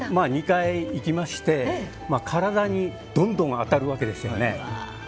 ２回行きまして体にどんどん当たるわけですよね。